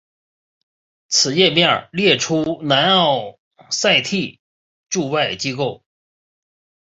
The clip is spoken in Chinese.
此页面列出南奥塞梯驻外机构。